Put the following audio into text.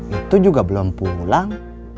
itu juga belum pulang